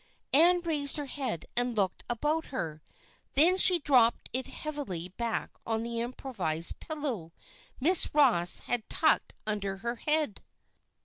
Ann raised her head and looked about her; then she dropped it heavily back on the improvised pillow Miss Ross had tucked under her head.